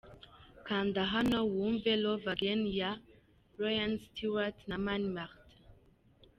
Kanda hano wumve 'Love again' ya Iain Stewart na Mani Martin .